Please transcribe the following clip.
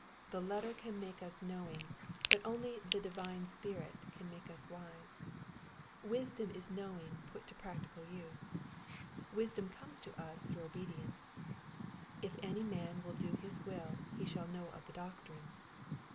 The letter can make us knowing, but only the divine Spirit can make us wise. Wisdom is knowledge put to practical use. Wisdom comes to us through obedience: *'If any man will do his will he shall know of the doctrine."